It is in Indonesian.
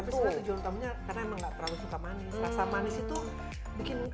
provokasi itunya karena enggak